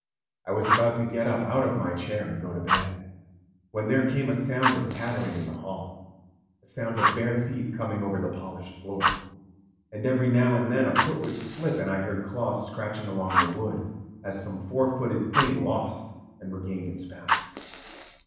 I was about to get up out of my chair and go to bed, when there came a sound of pattering in the hall, a sound of bare feet coming over the polished floor, and every now and then a foot would slip and I heard claws scratching along the wood as some four footed thing lost and regained its balance.